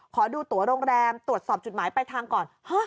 ขอดูตัวโรงแรมตรวจสอบจุดหมายปลายทางก่อน